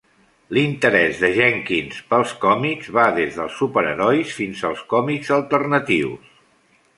L'interès de Jenkins pels còmics va des dels superherois fins als còmics alternatius.